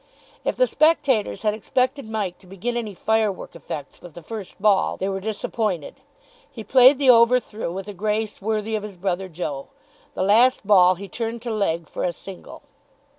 If the spectators had expected Mike to begin any firework effects with the first ball, they were disappointed. He played the over through with a grace worthy of his brother Joe. The last ball he turned to leg for a single.